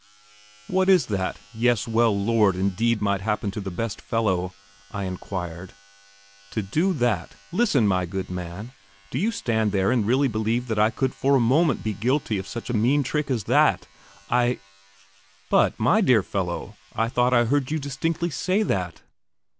"What is it that, 'Yes, well, Lord! indeed might happen to the best fellow'?" I inquired. "To do that. Listen, my good man. Do you stand there and really believe that I could for a moment be guilty of such a mean trick as that? I!" "But, my dear fellow, I thought I heard you distinctly say that."